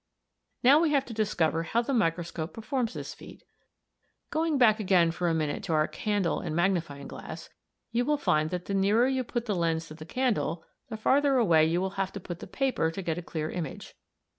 Now we have to discover how the microscope performs this feat. Going back again for a minute to our candle and magnifying glass (Fig. 12), you will find that the nearer you put the lens to the candle the farther away you will have to put the paper to get a clear image.